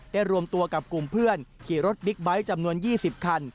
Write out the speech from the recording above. รวมตัวกับกลุ่มเพื่อนขี่รถบิ๊กไบท์จำนวน๒๐คัน